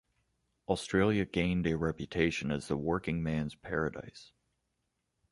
Australia gained a reputation as the working man's paradise.